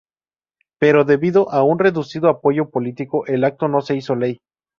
Pero debido a un reducido apoyo político, el acto no se hizo ley.